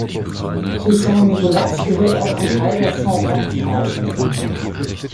Zu San Nicolas gehört auch ein Teil der San-Roque-Talsperre.